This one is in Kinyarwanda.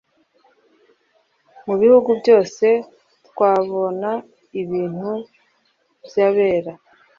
mu bihugu byose twahabona ibintu byabera